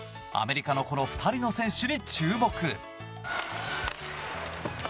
アメリカのこの２人の選手に注目。